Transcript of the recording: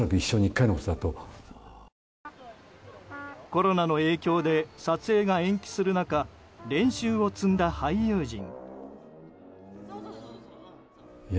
コロナの影響で撮影が延期する中練習を積んだ俳優陣。